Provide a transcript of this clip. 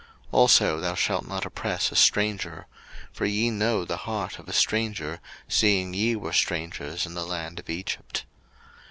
02:023:009 Also thou shalt not oppress a stranger: for ye know the heart of a stranger, seeing ye were strangers in the land of Egypt.